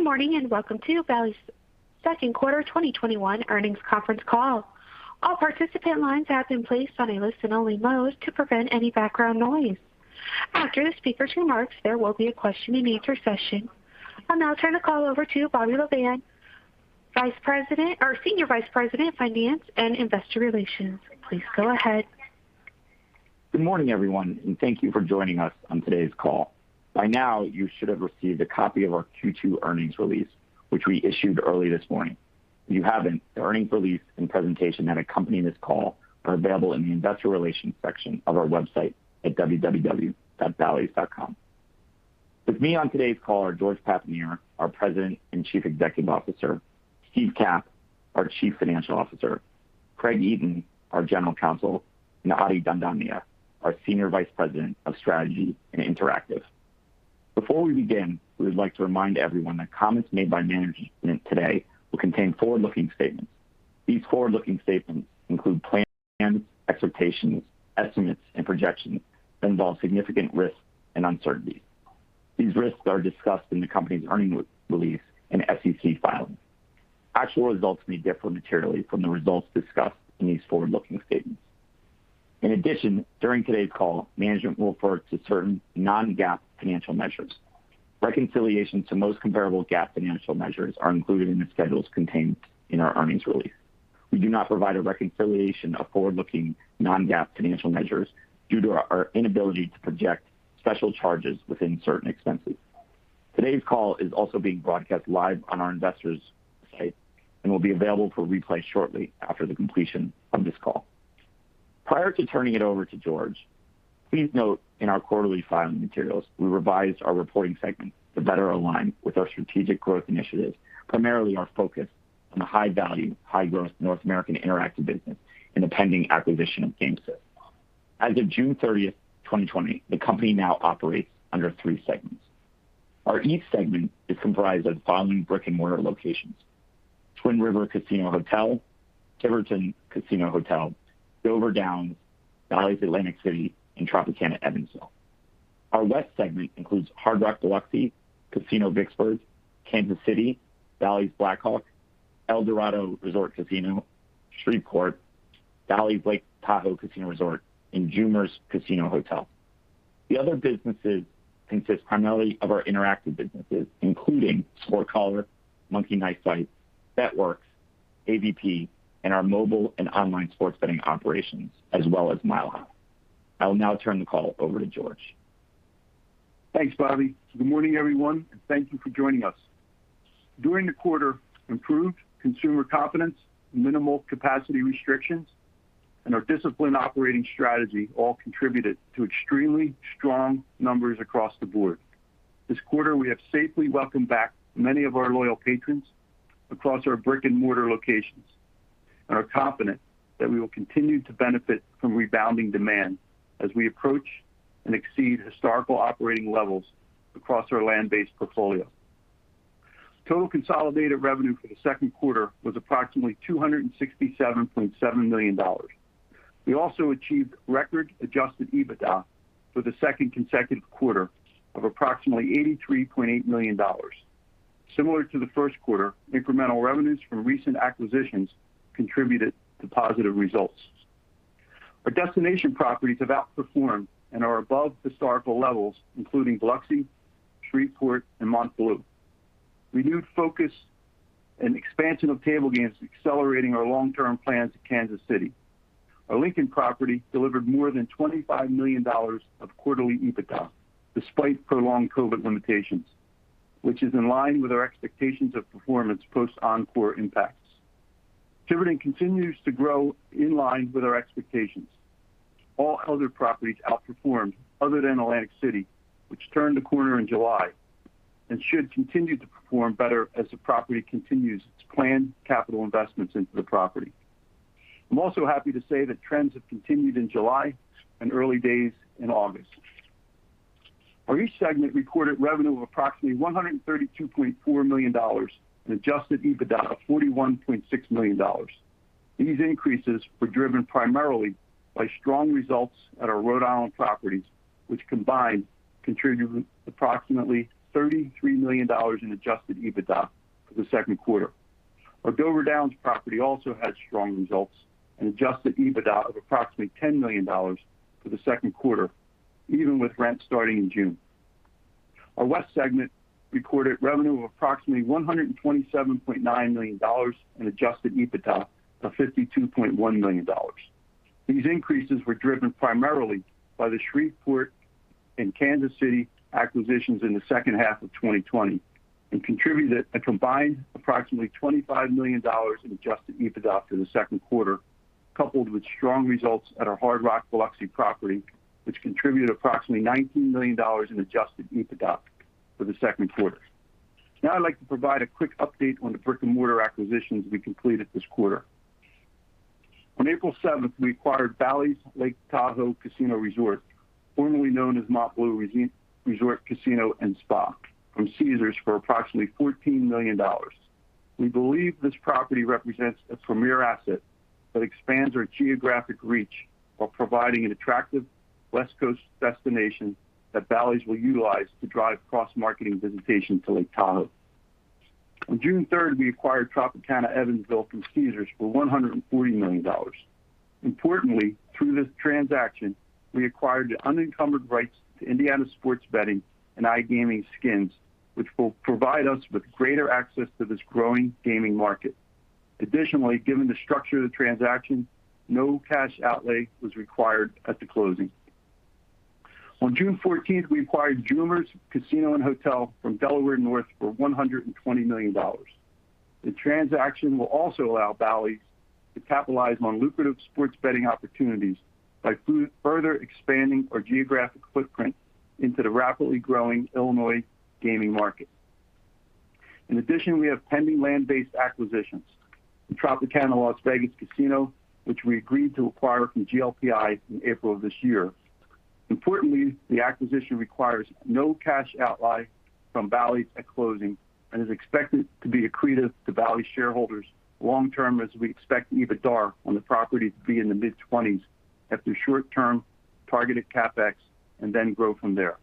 Good morning, welcome to Bally's second quarter 2021 earnings conference call. All participant lines have been placed on a listen-only mode to prevent any background noise. After the speakers' remarks, there will be a question and answer session. I'll now turn the call over to Bobby Lavan, our Senior Vice President, Finance and Investor Relations. Please go ahead. Good morning, everyone, and thank you for joining us on today's call. By now, you should have received a copy of our Q2 earnings release, which we issued early this morning. If you haven't, the earnings release and presentation that accompany this call are available in the investor relations section of our website at www.ballys.com. With me on today's call are George Papanier, our President and Chief Executive Officer, Steve Capp, our Chief Financial Officer, Craig Eaton, our General Counsel, and Adi Dhandhania, our Senior Vice President of Strategy and Interactive. Before we begin, we would like to remind everyone that comments made by management today will contain forward-looking statements. These forward-looking statements include plans, expectations, estimates, and projections that involve significant risks and uncertainties. These risks are discussed in the company's earnings release and SEC filings. In addition, during today's call, management will refer to certain non-GAAP financial measures. Reconciliation to most comparable GAAP financial measures are included in the schedules contained in our earnings release. We do not provide a reconciliation of forward-looking non-GAAP financial measures due to our inability to project special charges within certain expenses. Today's call is also being broadcast live on our investors site and will be available for replay shortly after the completion of this call. Prior to turning it over to George, please note in our quarterly filing materials, we revised our reporting segment to better align with our strategic growth initiatives, primarily our focus on the high-value, high-growth North American interactive business and the pending acquisition of Gamesys. As of June 30, 2020, the company now operates under three segments. Our East segment is comprised of the following brick-and-mortar locations: Twin River Casino Hotel, Tiverton Casino Hotel, Dover Downs, Bally's Atlantic City, and Tropicana Evansville. Our West segment includes Hard Rock Biloxi, Casino Vicksburg, Kansas City, Bally's Black Hawk, Eldorado Resort Casino Shreveport, Bally's Lake Tahoe Casino Resort, and Jumer's Casino & Hotel. The other businesses consist primarily of our interactive businesses, including SportCaller, Monkey Knife Fight, Bet.Works, AVP, and our mobile and online sports betting operations, as well as MileHigh. I will now turn the call over to George. Thanks, Bobby. Good morning, everyone, and thank you for joining us. During the quarter, improved consumer confidence, minimal capacity restrictions, and our disciplined operating strategy all contributed to extremely strong numbers across the board. This quarter, we have safely welcomed back many of our loyal patrons across our brick-and-mortar locations and are confident that we will continue to benefit from rebounding demand as we approach and exceed historical operating levels across our land-based portfolio. Total consolidated revenue for the second quarter was approximately $267.7 million. We also achieved record adjusted EBITDA for the second consecutive quarter of approximately $83.8 million. Similar to the first quarter, incremental revenues from recent acquisitions contributed to positive results. Our destination properties have outperformed and are above historical levels, including Biloxi, Shreveport, and MontBleu. Renewed focus and expansion of table games is accelerating our long-term plans at Kansas City. Our Lincoln property delivered more than $25 million of quarterly EBITDA despite prolonged COVID limitations, which is in line with our expectations of performance post Encore impacts. Tiverton continues to grow in line with our expectations. All other properties outperformed, other than Atlantic City, which turned a corner in July and should continue to perform better as the property continues its planned capital investments into the property. I'm also happy to say that trends have continued in July and early days in August. Our East segment recorded revenue of approximately $132.4 million and adjusted EBITDA of $41.6 million. These increases were driven primarily by strong results at our Rhode Island properties, which combined contributed approximately $33 million in adjusted EBITDA for the second quarter. Our Dover Downs property also had strong results, an adjusted EBITDA of approximately $10 million for the second quarter, even with rent starting in June. Our West segment reported revenue of approximately $127.9 million and adjusted EBITDA of $52.1 million. These increases were driven primarily by the Shreveport and Kansas City acquisitions in the second half of 2020 and contributed a combined approximately $25 million in adjusted EBITDA for the second quarter, coupled with strong results at our Hard Rock Biloxi property, which contributed approximately $19 million in adjusted EBITDA for the second quarter. I'd like to provide a quick update on the brick-and-mortar acquisitions we completed this quarter. On April 7th, we acquired Bally's Lake Tahoe Casino Resort, formerly known as MontBleu Resort Casino & Spa, from Caesars for approximately $14 million. We believe this property represents a premier asset that expands our geographic reach while providing an attractive West Coast destination that Bally's will utilize to drive cross-marketing visitation to Lake Tahoe. On June 3rd, we acquired Tropicana Evansville from Caesars for $140 million. Importantly, through this transaction, we acquired the unencumbered rights to Indiana sports betting and iGaming skins, which will provide us with greater access to this growing gaming market. Additionally, given the structure of the transaction, no cash outlay was required at the closing. On June 14th, we acquired Jumer's Casino & Hotel from Delaware North for $120 million. The transaction will also allow Bally's to capitalize on lucrative sports betting opportunities by further expanding our geographic footprint into the rapidly growing Illinois gaming market. In addition, we have pending land-based acquisitions. The Tropicana Las Vegas Casino, which we agreed to acquire from GLPI in April of this year. Importantly, the acquisition requires no cash outlay from Bally's at closing and is expected to be accretive to Bally's shareholders long-term, as we expect EBITDA on the property to be in the mid-20s after short-term targeted CapEx and then grow from there.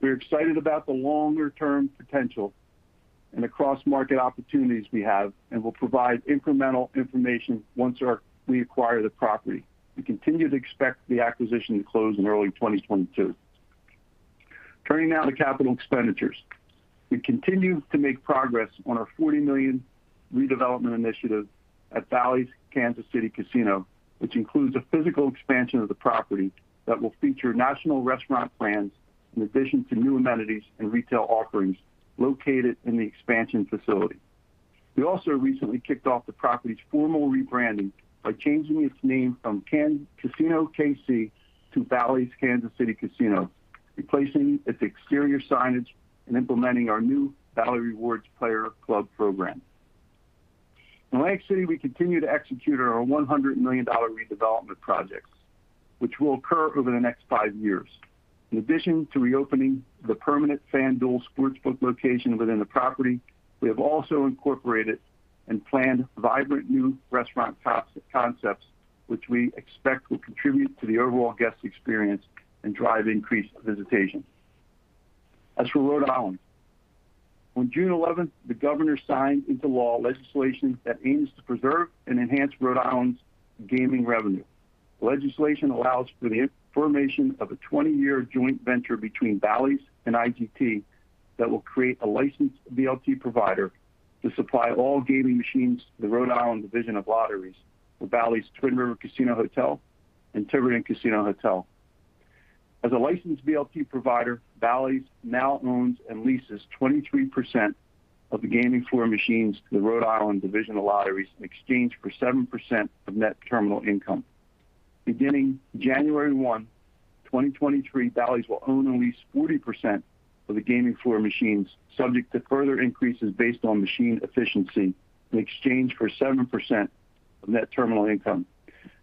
We're excited about the longer-term potential and the cross-market opportunities we have, and we'll provide incremental information once we acquire the property. We continue to expect the acquisition to close in early 2022. Turning now to capital expenditures. We continue to make progress on our $40 million redevelopment initiative at Bally's Kansas City Casino, which includes a physical expansion of the property that will feature national restaurant brands in addition to new amenities and retail offerings located in the expansion facility. We also recently kicked off the property's formal rebranding by changing its name from Casino KC to Bally's Kansas City Casino, replacing its exterior signage and implementing our new Bally Rewards Player Club program. In Atlantic City, we continue to execute our $100 million redevelopment projects, which will occur over the next five years. In addition to reopening the permanent FanDuel sportsbook location within the property, we have also incorporated and planned vibrant new restaurant concepts, which we expect will contribute to the overall guest experience and drive increased visitation. As for Rhode Island, on June 11th, the governor signed into law legislation that aims to preserve and enhance Rhode Island's gaming revenue. The legislation allows for the formation of a 20-year joint venture between Bally's and IGT that will create a licensed VLT provider to supply all gaming machines to the Rhode Island Division of Lotteries for Bally's Twin River Casino Hotel and Tiverton Casino Hotel. As a licensed VLT provider, Bally's now owns and leases 23% of the gaming floor machines to the Rhode Island Division of Lotteries in exchange for 7% of net terminal income. Beginning January 1, 2023, Bally's will own and lease 40% of the gaming floor machines, subject to further increases based on machine efficiency, in exchange for 7% of net terminal income.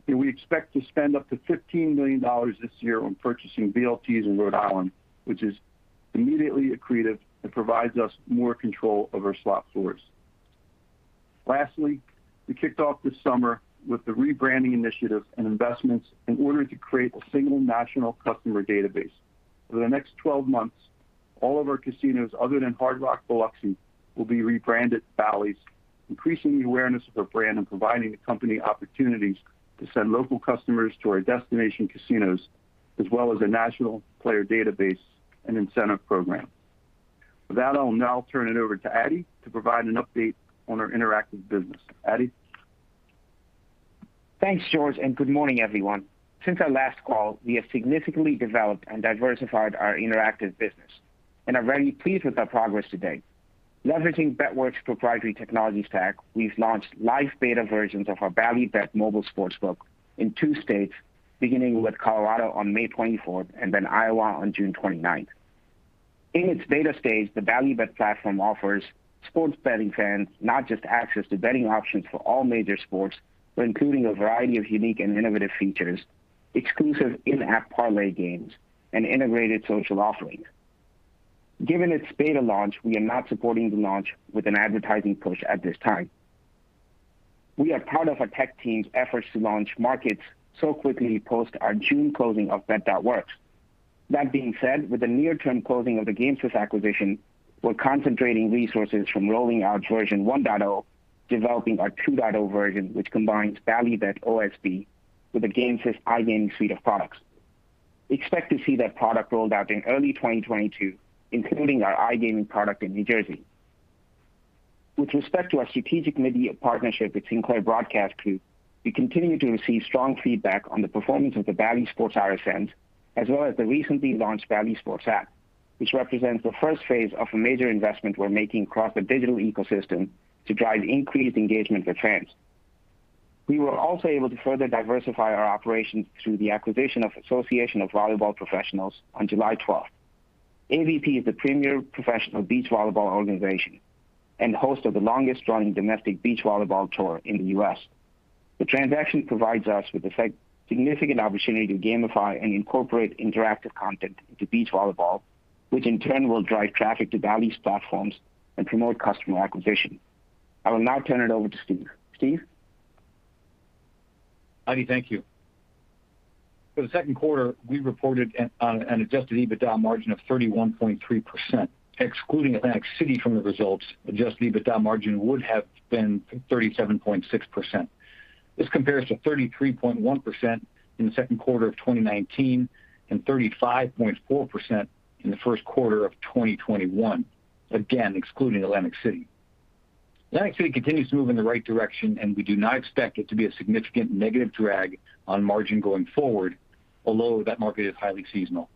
We expect to spend up to $15 million this year on purchasing VLTs in Rhode Island, which is immediately accretive and provides us more control of our slot floors. Lastly, we kicked off this summer with the rebranding initiative and investments in order to create a single national customer database. Over the next 12 months, all of our casinos other than Hard Rock Biloxi will be rebranded Bally's, increasing the awareness of the brand and providing the company opportunities to send local customers to our destination casinos, as well as a national player database and incentive program. With that, I'll now turn it over to Adi to provide an update on our interactive business. Adi? Thanks, George. Good morning, everyone. Since our last call, we have significantly developed and diversified our interactive business and are very pleased with our progress to date. Leveraging Bet.Works' proprietary technology stack, we've launched live beta versions of our Bally Bet mobile sportsbook in two states, beginning with Colorado on May 24th and then Iowa on June 29th. In its beta stage, the Bally Bet platform offers sports betting fans not just access to betting options for all major sports, but including a variety of unique and innovative features, exclusive in-app parlay games, and integrated social offerings. Given its beta launch, we are not supporting the launch with an advertising push at this time. We are proud of our tech team's efforts to launch markets so quickly post our June closing of Bet.Works. That being said, with the near-term closing of the Gamesys acquisition, we're concentrating resources from rolling out version 1.0, developing our 2.0 version, which combines Bally Bet OSB with the Gamesys iGaming suite of products. We expect to see that product rolled out in early 2022, including our iGaming product in New Jersey. With respect to our strategic media partnership with Sinclair Broadcast Group, we continue to receive strong feedback on the performance of the Bally Sports RSNs, as well as the recently launched Bally Sports app, which represents the first phase of a major investment we're making across the digital ecosystem to drive increased engagement with fans. We were also able to further diversify our operations through the acquisition of Association of Volleyball Professionals on July 12th. AVP is the premier professional beach volleyball organization and host of the longest-running domestic beach volleyball tour in the U.S. The transaction provides us with a significant opportunity to gamify and incorporate interactive content into beach volleyball, which in turn will drive traffic to Bally's platforms and promote customer acquisition. I will now turn it over to Steve. Steve? Adi, thank you. For the second quarter, we reported an adjusted EBITDA margin of 31.3%. Excluding Atlantic City from the results, adjusted EBITDA margin would have been 37.6%. This compares to 33.1% in the second quarter of 2019 and 35.4% in the first quarter of 2021, again, excluding Atlantic City. Atlantic City continues to move in the right direction, and we do not expect it to be a significant negative drag on margin going forward, although that market is highly seasonal.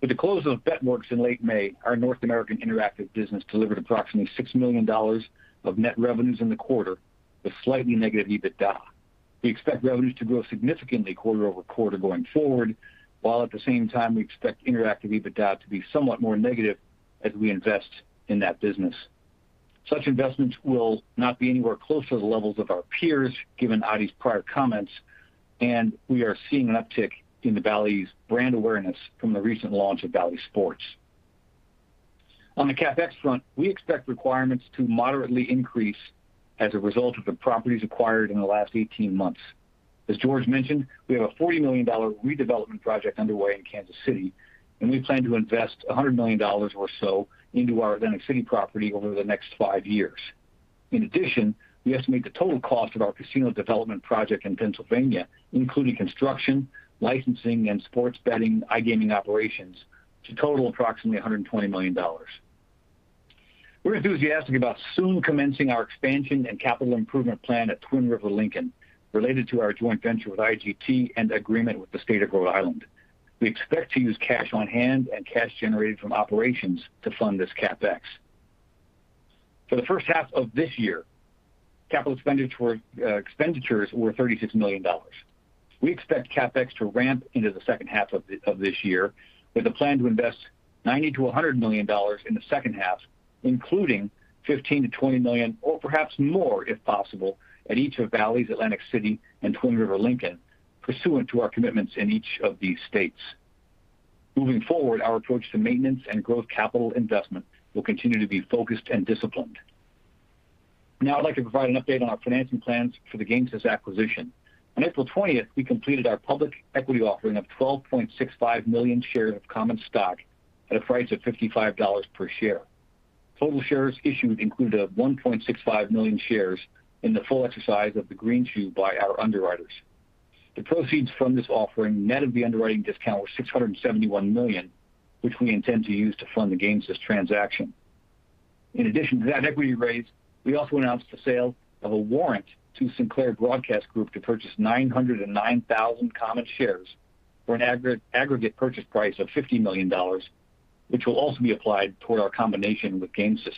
With the close of Bet.Works in late May, our North American interactive business delivered approximately $6 million of net revenues in the quarter with slightly negative EBITDA. We expect revenues to grow significantly quarter-over-quarter going forward, while at the same time we expect interactive EBITDA to be somewhat more negative as we invest in that business. Such investments will not be anywhere close to the levels of our peers, given Adi's prior comments. We are seeing an uptick in the Bally's brand awareness from the recent launch of Bally Sports. On the CapEx front, we expect requirements to moderately increase as a result of the properties acquired in the last 18 months. As George mentioned, we have a $40 million redevelopment project underway in Kansas City. We plan to invest $100 million or so into our Atlantic City property over the next five years. In addition, we estimate the total cost of our casino development project in Pennsylvania, including construction, licensing, and sports betting, iGaming operations, to total approximately $120 million. We're enthusiastic about soon commencing our expansion and capital improvement plan at Twin River Lincoln related to our joint venture with IGT and agreement with the state of Rhode Island. We expect to use cash on hand and cash generated from operations to fund this CapEx. For the first half of this year, capital expenditures were $36 million. We expect CapEx to ramp into the second half of this year with a plan to invest $90 million-$100 million in the second half, including $15 million-$20 million, or perhaps more if possible, at each of Bally's Atlantic City and Twin River Lincoln, pursuant to our commitments in each of these states. Moving forward, our approach to maintenance and growth capital investment will continue to be focused and disciplined. I'd like to provide an update on our financing plans for the Gamesys acquisition. On April 20th, we completed our public equity offering of 12.65 million shares of common stock at a price of $55 per share. Total shares issued include a 1.65 million shares in the full exercise of the greenshoe by our underwriters. The proceeds from this offering, net of the underwriting discount, were $671 million, which we intend to use to fund the Gamesys transaction. In addition to that equity raise, we also announced the sale of a warrant to Sinclair Broadcast Group to purchase 909,000 common shares for an aggregate purchase price of $50 million, which will also be applied toward our combination with Gamesys.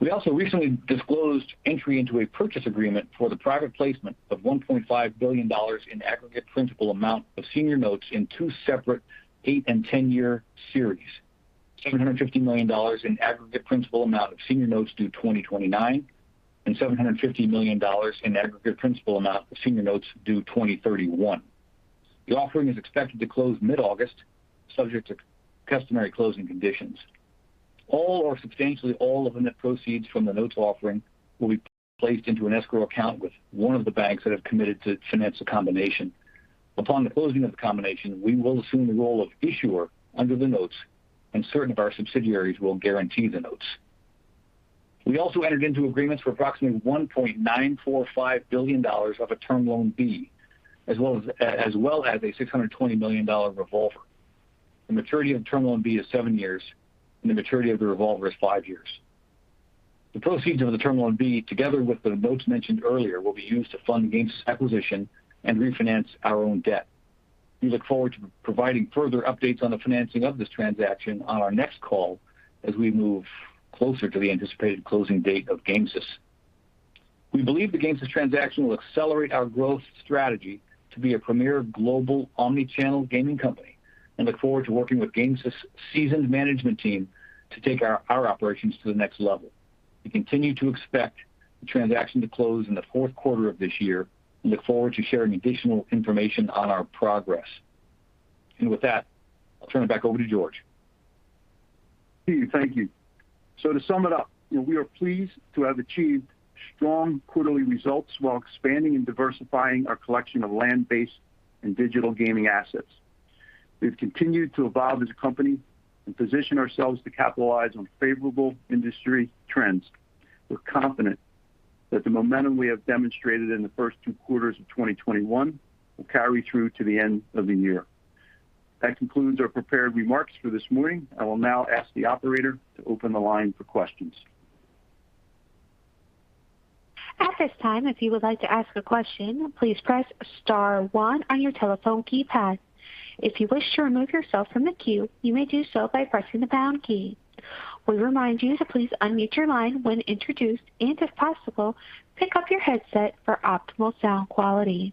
We also recently disclosed entry into a purchase agreement for the private placement of $1.5 billion in aggregate principal amount of senior notes in two separate eight and 10-year series: $750 million in aggregate principal amount of senior notes due 2029 and $750 million in aggregate principal amount of senior notes due 2031. The offering is expected to close mid-August, subject to customary closing conditions. All or substantially all of the net proceeds from the notes offering will be placed into an escrow account with one of the banks that have committed to finance the combination. Upon the closing of the combination, we will assume the role of issuer under the notes, and certain of our subsidiaries will guarantee the notes. We also entered into agreements for approximately $1.945 billion of a Term Loan B as well as a $620 million revolver. The maturity of Term Loan B is seven years, and the maturity of the revolver is five years. The proceeds of the Term Loan B, together with the notes mentioned earlier, will be used to fund Gamesys' acquisition and refinance our own debt. We look forward to providing further updates on the financing of this transaction on our next call as we move closer to the anticipated closing date of Gamesys. We believe the Gamesys transaction will accelerate our growth strategy to be a premier global omni-channel gaming company and look forward to working with Gamesys' seasoned management team to take our operations to the next level. We continue to expect the transaction to close in the fourth quarter of this year and look forward to sharing additional information on our progress. With that, I'll turn it back over to George. Steve, thank you. To sum it up, we are pleased to have achieved strong quarterly results while expanding and diversifying our collection of land-based and digital gaming assets. We've continued to evolve as a company and position ourselves to capitalize on favorable industry trends. We're confident that the momentum we have demonstrated in the first two quarters of 2021 will carry through to the end of the year. That concludes our prepared remarks for this morning. I will now ask the operator to open the line for questions. At this time if you'd like to ask a question, please star one on your telephone keypad. If you wish to remove yourself from the queue, you may just press the pound key. We remind you to please unmute your line when introduced, and if possible, pick up your headset for optimal sound quality.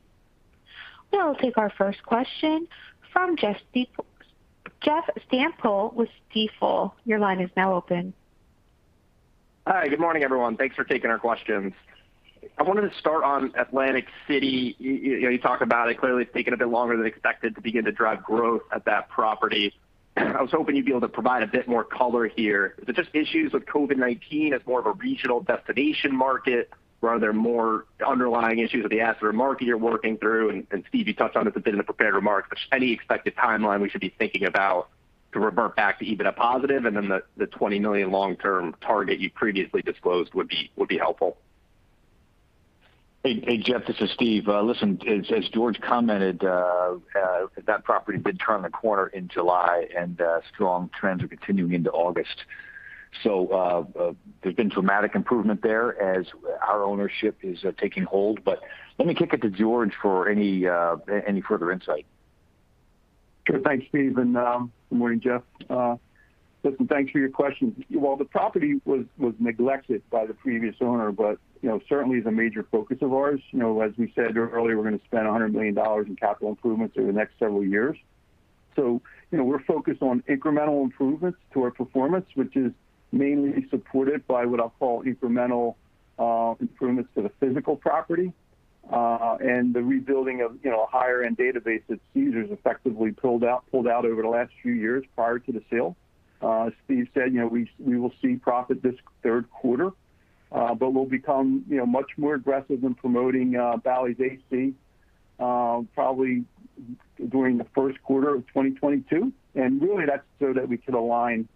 We'll take our first question from Jeff Stantial with Stifel. Your line is now open. Hi. Good morning, everyone. Thanks for taking our questions. I wanted to start on Atlantic City. You talk about it, clearly it's taken a bit longer than expected to begin to drive growth at that property. I was hoping you'd be able to provide a bit more color here. Is it just issues with COVID-19 as more of a regional destination market, or are there more underlying issues with the asset or market you're working through? Steve, you touched on this a bit in the prepared remarks, but any expected timeline we should be thinking about to revert back to EBITDA positive and then the $20 million long-term target you previously disclosed would be helpful. Hey, Jeff, this is Steve. Listen, as George commented, that property did turn the corner in July and strong trends are continuing into August. There's been dramatic improvement there as our ownership is taking hold. Let me kick it to George for any further insight. Sure. Thanks, Steve, and good morning, Jeff. Listen, thanks for your question. Well, the property was neglected by the previous owner, but certainly is a major focus of ours. As we said earlier, we're going to spend $100 million in capital improvements over the next several years. We're focused on incremental improvements to our performance, which is mainly supported by what I'll call incremental improvements to the physical property, and the rebuilding of a higher end database that Caesars effectively pulled out over the last few years prior to the sale. As Steve said, we will see profit this third quarter, but we'll become much more aggressive in promoting Bally's AC probably during the first quarter of 2022. Really that's so that we can align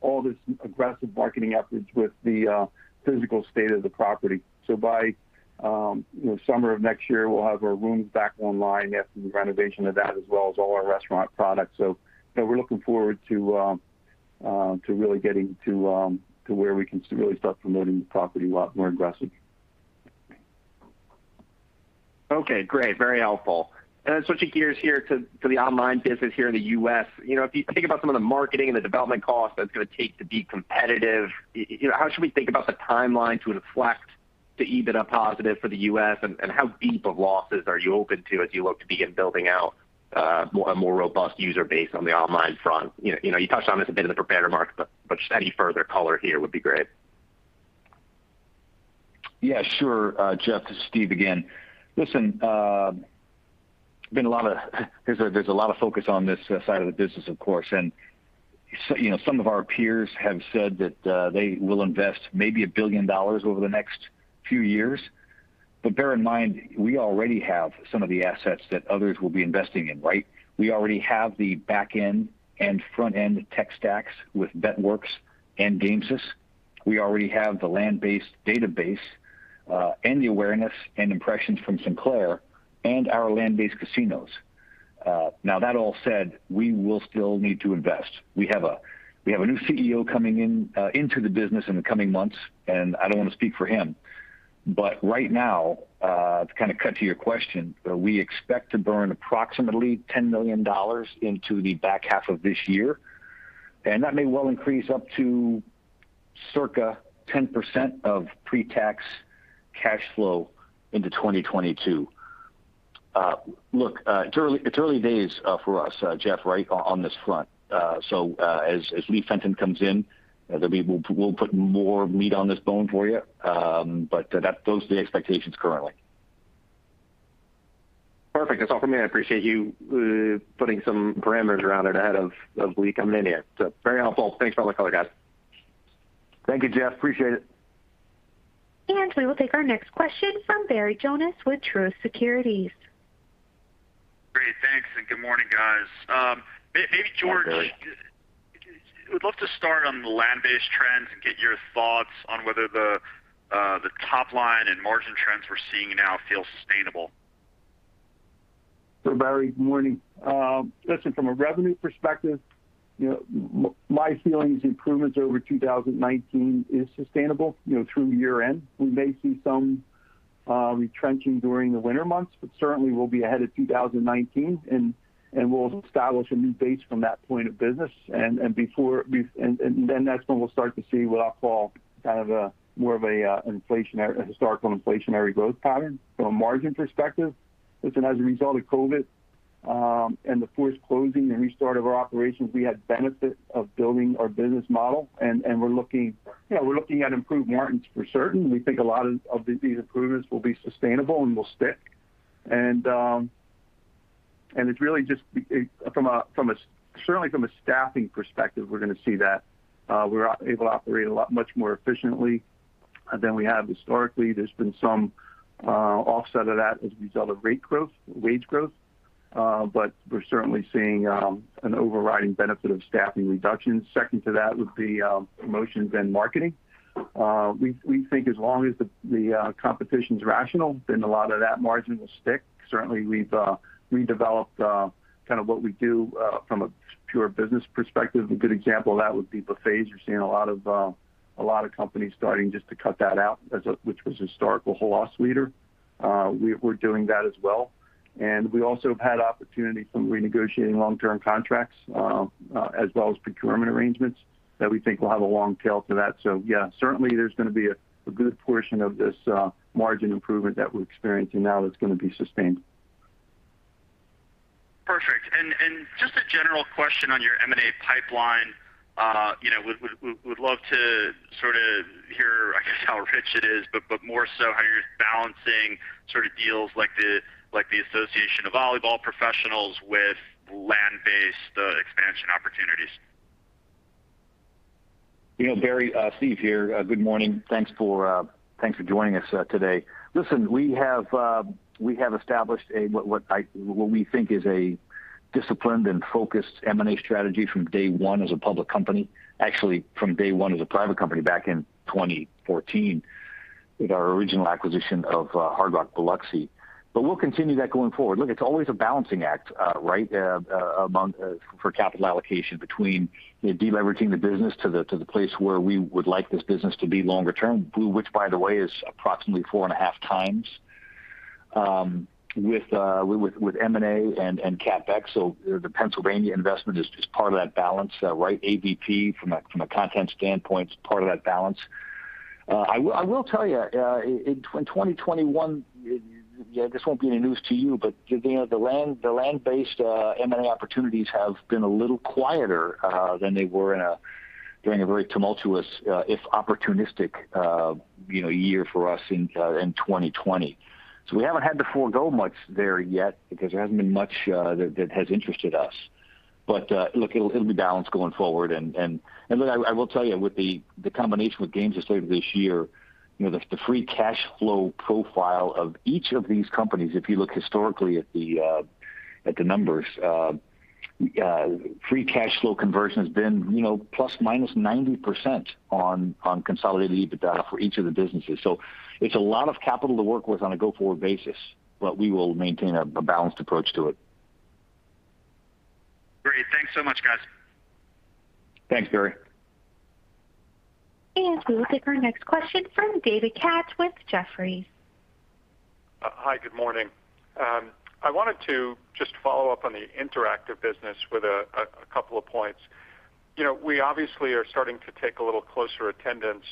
all this aggressive marketing efforts with the physical state of the property. By summer of next year, we'll have our rooms back online after the renovation of that as well as all our restaurant products. We're looking forward to really getting to where we can really start promoting the property a lot more aggressively. Okay, great. Very helpful. Switching gears here to the online business here in the U.S. If you think about some of the marketing and the development costs that it's going to take to be competitive, how should we think about the timeline to inflect to EBITDA positive for the U.S.? How deep of losses are you open to as you look to begin building out a more robust user base on the online front? You touched on this a bit in the prepared remarks, just any further color here would be great. Yeah, sure, Jeff, this is Steve again. Listen, there's a lot of focus on this side of the business, of course, and some of our peers have said that they will invest maybe $1 billion over the next few years. Bear in mind, we already have some of the assets that others will be investing in, right? We already have the back end and front end tech stacks with Bet.Works and Gamesys. We already have the land-based database, and the awareness and impressions from Sinclair and our land-based casinos. That all said, we will still need to invest. We have a new CEO coming into the business in the coming months, I don't want to speak for him, but right now, to kind of cut to your question, we expect to burn approximately $10 million into the back half of this year. That may well increase up to circa 10% of pre-tax cash flow into 2022. Look, it's early days for us, Jeff, right, on this front. As Lee Fenton comes in, we'll put more meat on this bone for you. Those are the expectations currently. Perfect. That's all from me. I appreciate you putting some parameters around it ahead of Lee coming in here. Very helpful. Thanks for all the color, guys. Thank you, Jeff. Appreciate it. We will take our next question from Barry Jonas with Truist Securities. Great. Thanks. Good morning, guys. Morning, Barry. Maybe George, would love to start on the land-based trends and get your thoughts on whether the top line and margin trends we are seeing now feel sustainable. Barry, good morning. Listen, from a revenue perspective, my feeling is improvements over 2019 is sustainable through year end. We may see some retrenching during the winter months, but certainly we'll be ahead of 2019 and we'll establish a new base from that point of business. That's when we'll start to see what I'll call kind of a historical inflationary growth pattern. From a margin perspective, listen, as a result of COVID, and the forced closing and restart of our operations, we had benefit of building our business model, and we're looking at improved margins for certain. We think a lot of these improvements will be sustainable and will stick. Certainly from a staffing perspective, we're going to see that. We're able to operate a lot much more efficiently than we have historically. There's been some offset of that as a result of rate growth, wage growth. We're certainly seeing an overriding benefit of staffing reductions. Second to that would be promotions and marketing. We think as long as the competition's rational, a lot of that margin will stick. Certainly, we've redeveloped kind of what we do from a pure business perspective. A good example of that would be buffets. We're seeing a lot of companies starting just to cut that out, which was a historical loss leader. We're doing that as well. We also have had opportunity from renegotiating long-term contracts, as well as procurement arrangements that we think will have a long tail to that. Yeah, certainly there's going to be a good portion of this margin improvement that we're experiencing now that's going to be sustained. Perfect. Just a general question on your M&A pipeline. We'd love to sort of hear, I guess, how rich it is, but more so how you're balancing deals like the Association of Volleyball Professionals with land-based expansion opportunities. Barry, Steve here. Good morning. Thanks for joining us today. Listen, we have established what we think is a disciplined and focused M&A strategy from day one as a public company. Actually, from day one as a private company back in 2014, with our original acquisition of Hard Rock Biloxi. We'll continue that going forward. Look, it's always a balancing act, right? For capital allocation between de-leveraging the business to the place where we would like this business to be longer term. Blue, which by the way, is approximately 4.5x with M&A and CapEx. The Pennsylvania investment is part of that balance. AVP, from a content standpoint, is part of that balance. I will tell you, in 2021, this won't be any news to you, but the land-based M&A opportunities have been a little quieter than they were during a very tumultuous, if opportunistic, year for us in 2020. We haven't had to forego much there yet because there hasn't been much that has interested us. Look, it'll be balanced going forward. Look, I will tell you with the combination with Gamesys that started this year, the free cash flow profile of each of these companies, if you look historically at the numbers, free cash flow conversion has been ±90% on consolidated EBITDA for each of the businesses. It's a lot of capital to work with on a go-forward basis, but we will maintain a balanced approach to it. Great. Thanks so much, guys. Thanks, Barry. We will take our next question from David Katz with Jefferies. Hi, good morning. I wanted to just follow up on the interactive business with a couple of points. We obviously are starting to take a little closer attendance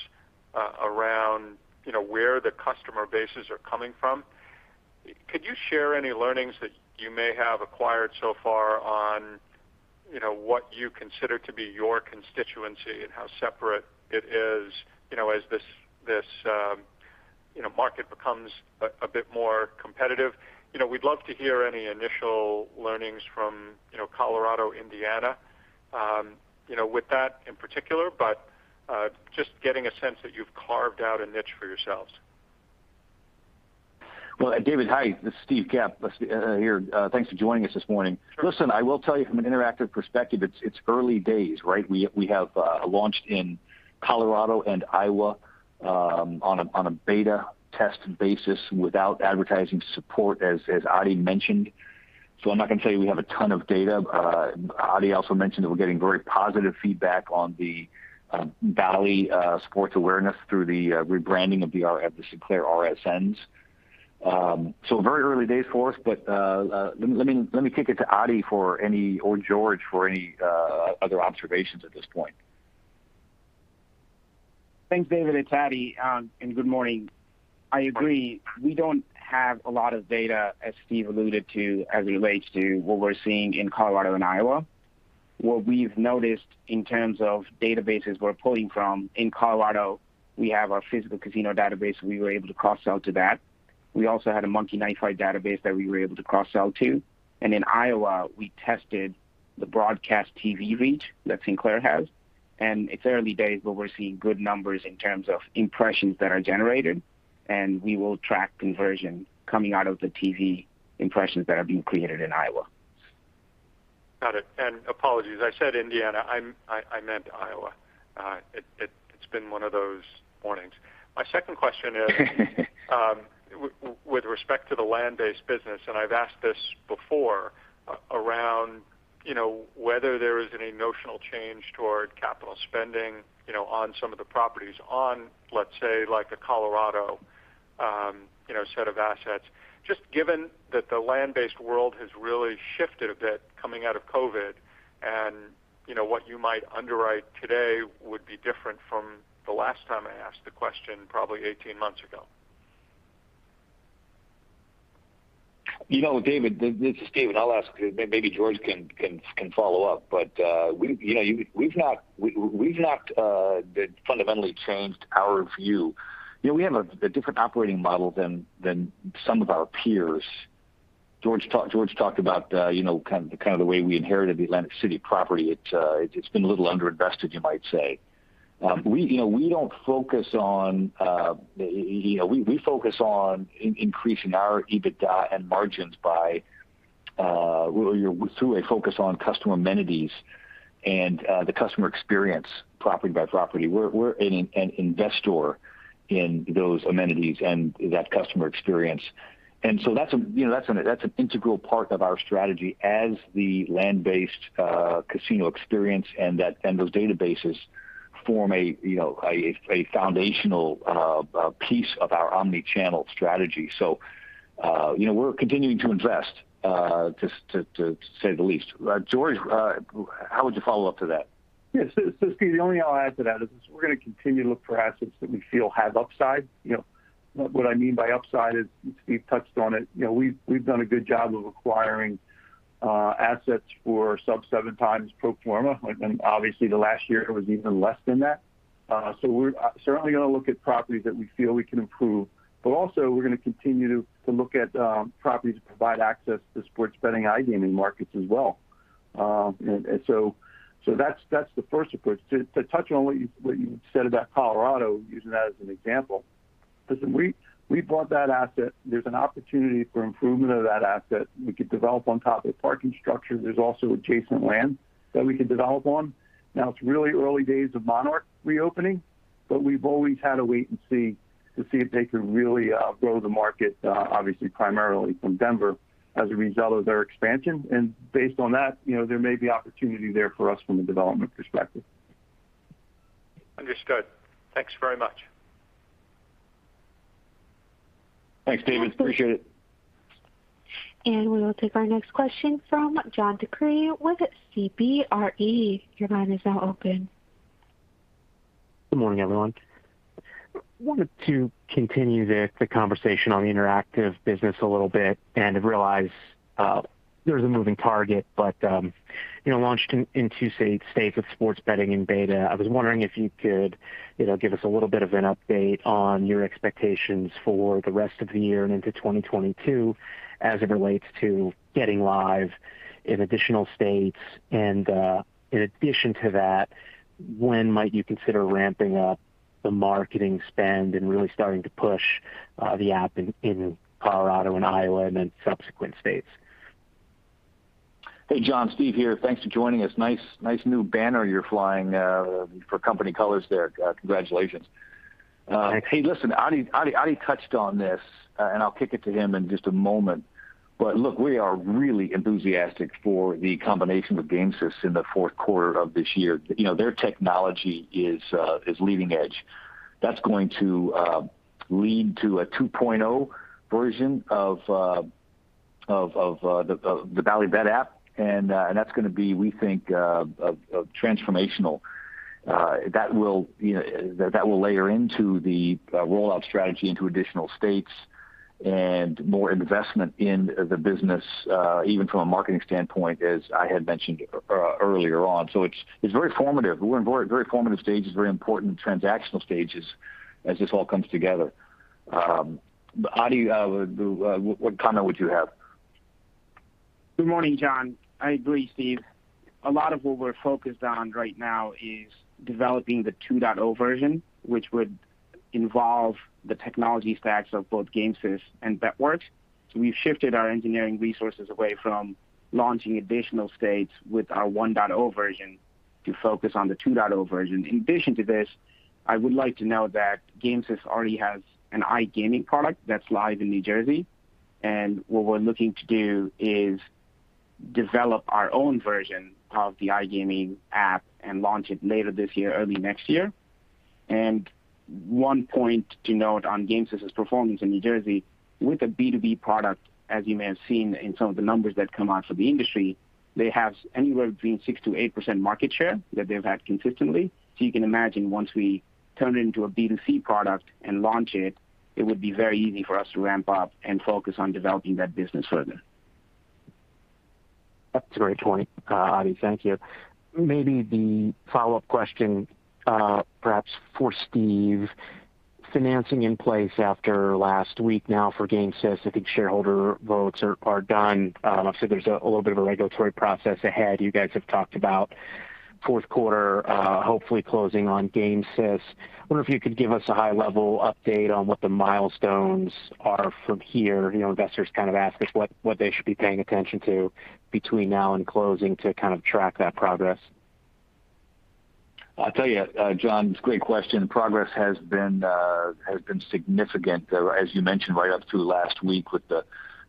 around where the customer bases are coming from. Could you share any learnings that you may have acquired so far on what you consider to be your constituency and how separate it is, as this market becomes a bit more competitive? We'd love to hear any initial learnings from Colorado, Indiana, with that in particular, just getting a sense that you've carved out a niche for yourselves. David, hi. This is Steve Capp here. Thanks for joining us this morning. Listen, I will tell you from an interactive perspective, it's early days, right? We have launched in Colorado and Iowa on a beta test basis without advertising support, as Adi mentioned. I'm not going to tell you we have a ton of data. Adi also mentioned that we're getting very positive feedback on the Bally Sports awareness through the rebranding of the Sinclair RSNs. Very early days for us, but let me kick it to Adi or George for any other observations at this point. Thanks, David. It's Adi, and good morning. I agree. We don't have a lot of data, as Steve alluded to, as it relates to what we're seeing in Colorado and Iowa. What we've noticed in terms of databases we're pulling from in Colorado, we have our physical casino database. We were able to cross-sell to that. We also had a Monkey Knife Fight database that we were able to cross-sell to. In Iowa, we tested the broadcast TV reach that Sinclair has. It's early days, but we're seeing good numbers in terms of impressions that are generated. We will track conversion coming out of the TV impressions that are being created in Iowa. Got it. Apologies, I said Indiana. I meant Iowa. It's been one of those mornings. My second question is, with respect to the land-based business, I've asked this before, around whether there is any notional change toward capital spending on some of the properties on, let's say, like a Colorado set of assets. Just given that the land-based world has really shifted a bit coming out of COVID, what you might underwrite today would be different from the last time I asked the question, probably 18 months ago. David, this is Steve, and I'll ask, maybe George can follow up. We've not fundamentally changed our view. We have a different operating model than some of our peers. George talked about the way we inherited the Atlantic City property. It's been a little under-invested, you might say. We focus on increasing our EBITDA and margins through a focus on customer amenities and the customer experience, property by property. We're an investor in those amenities and that customer experience. That's an integral part of our strategy as the land-based casino experience and those databases form a foundational piece of our omni-channel strategy. We're continuing to invest, to say the least. George, how would you follow up to that? Yes. Steve, the only thing I'll add to that is we're going to continue to look for assets that we feel have upside. What I mean by upside is, Steve touched on it, we've done a good job of acquiring assets for sub seven times pro forma. The last year it was even less than that. We're certainly going to look at properties that we feel we can improve, but also we're going to continue to look at properties to provide access to sports betting iGaming markets as well. That's the first approach. To touch on what you said about Colorado, using that as an example, listen, we bought that asset. There's an opportunity for improvement of that asset. We could develop on top a parking structure. There's also adjacent land that we can develop on. It's really early days of Monarch reopening, but we've always had a wait and see to see if they could really grow the market, obviously primarily from Denver as a result of their expansion. Based on that, there may be opportunity there for us from a development perspective. Understood. Thanks very much. Thanks, David. Appreciate it. We will take our next question from John DeCree with CBRE. Your line is now open. Good morning, everyone. I wanted to continue the conversation on the interactive business a little bit and realize there's a moving target, but launched in two states with sports betting in beta. I was wondering if you could give us a little bit of an update on your expectations for the rest of the year and into 2022 as it relates to getting live in additional states. In addition to that, when might you consider ramping up the marketing spend and really starting to push the app in Colorado and Iowa and then subsequent states? Hey, John. Steve here. Thanks for joining us. Nice new banner you're flying for company colors there. Congratulations. Thanks. Hey, listen, Adi touched on this, and I'll kick it to him in just a moment. Look, we are really enthusiastic for the combination with Gamesys in the fourth quarter of this year. Their technology is leading edge. That's going to lead to a 2.0 version of the Bally Bet app, and that's going to be, we think, transformational. That will layer into the rollout strategy into additional states and more investment in the business, even from a marketing standpoint, as I had mentioned earlier on. It's very formative. We're in very formative stages, very important transactional stages as this all comes together. Adi, what comment would you have? Good morning, John. I agree, Steve. A lot of what we're focused on right now is developing the 2.0 version, which would involve the technology stacks of both Gamesys and Bet.Works. We've shifted our engineering resources away from launching additional states with our 1.0 version to focus on the 2.0 version. In addition to this, I would like to note that Gamesys already has an iGaming product that's live in New Jersey, and what we're looking to do is develop our own version of the iGaming app and launch it later this year, early next year. One point to note on Gamesys' performance in New Jersey, with a B2B product, as you may have seen in some of the numbers that come out for the industry, they have anywhere between 6%-8% market share that they've had consistently. You can imagine once we turn it into a B2C product and launch it would be very easy for us to ramp up and focus on developing that business further. That's a great point, Adi. Thank you. Maybe the follow-up question, perhaps for Steve. Financing in place after last week now for Gamesys. I think shareholder votes are done. Obviously, there's a little bit of a regulatory process ahead. You guys have talked about fourth quarter, hopefully closing on Gamesys. I wonder if you could give us a high-level update on what the milestones are from here. Investors kind of ask us what they should be paying attention to between now and closing to kind of track that progress. I'll tell you, John, it's a great question. Progress has been significant, as you mentioned, right up to last week with the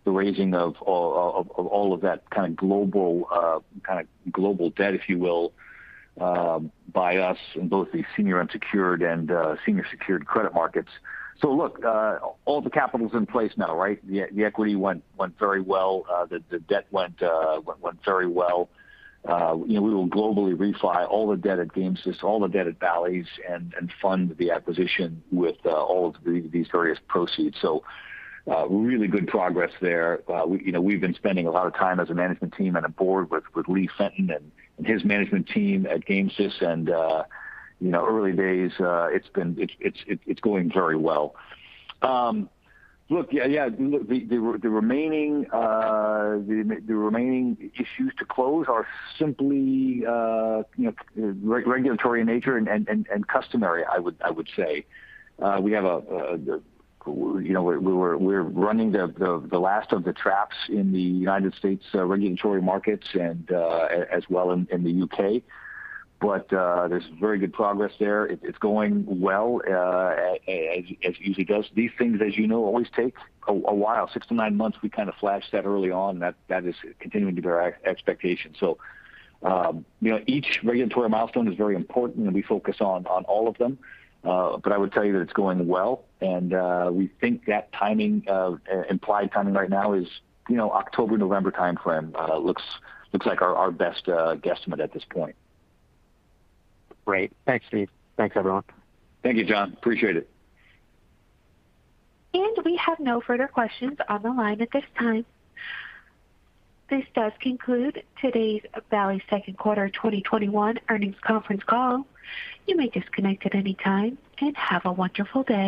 raising of all of that kind of global debt, if you will, by us in both the senior unsecured and senior secured credit markets. Look, all the capital's in place now, right? The equity went very well. The debt went very well. We will globally refi all the debt at Gamesys, all the debt at Bally's, and fund the acquisition with all of these various proceeds. Really good progress there. We've been spending a lot of time as a management team and a board with Lee Fenton and his management team at Gamesys. Early days, it's going very well. Look, yeah, the remaining issues to close are simply regulatory in nature and customary, I would say. We're running the last of the traps in the U.S. regulatory markets and as well in the U.K. There's very good progress there. It's going well, as it usually does. These things, as you know, always take a while. Six, nine months, we kind of flashed that early on. That is continuing to bear expectation. Each regulatory milestone is very important and we focus on all of them. I would tell you that it's going well, and we think that implied timing right now is October-November timeframe. Looks like our best guesstimate at this point. Great. Thanks, Steve. Thanks, everyone. Thank you, John. Appreciate it. We have no further questions on the line at this time. This does conclude today's Bally's second quarter 2021 earnings conference call. You may disconnect at any time, and have a wonderful day.